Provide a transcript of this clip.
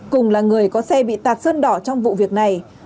cùng là người có xe bị tạt sơn đỏ trong vụ việc này